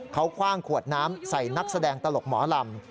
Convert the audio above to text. เขาคว่างขวดน้ำใส่นักแสดงตลกหมอลำ